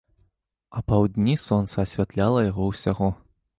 Апаўдні сонца асвятляла яго ўсяго.